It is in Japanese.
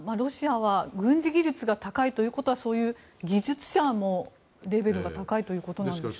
柳澤さん、ロシアは軍事技術が高いということは技術者もレベルが高いということでしょうか。